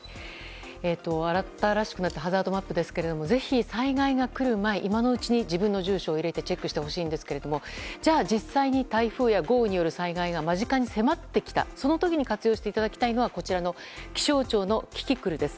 新しくなったハザードマップですがぜひ災害が来る前自分の住所を入れてチェックしてほしいんですがじゃあ、実際に台風や豪雨による災害が間近に迫ってきたその時に活用していただきたいのが気象庁のキキクルです。